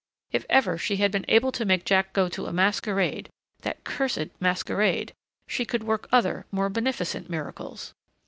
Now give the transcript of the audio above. If ever she had been able to make Jack go to a masquerade that cursed masquerade! she could work other, more beneficent, miracles.